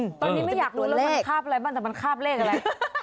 ตอนนี้ไม่อยากรู้แล้วมันคาบอะไรบ้างแต่มันคาบเลขอะไร